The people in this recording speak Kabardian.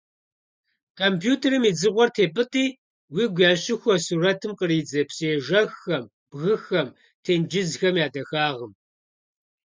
Компьютерым и «дзыгъуэр» тепӀытӀи, уигу ящыхуэ сурэтым къридзэ псыежэххэм, бгыхэм, тенджызхэм я дахагъым.